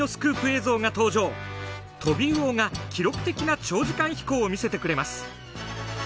トビウオが記録的な長時間飛行を見せてくれます。